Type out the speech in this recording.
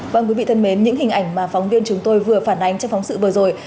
vâng quý vị thân mến những hình ảnh mà phóng viên chúng tôi vừa phản ánh trong phóng sự vừa rồi